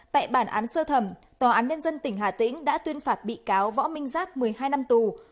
tại bản án sơ thẩm tòa án nhân dân tỉnh hà tĩnh đã tuyên phạt bị cáo võ minh giáp một mươi hai năm tù